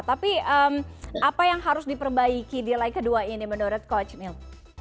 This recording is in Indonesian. tapi apa yang harus diperbaiki di lag kedua ini menurut coach mil